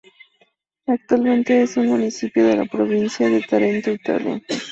Actualmente es un municipio de la provincia de Tarento, Italia.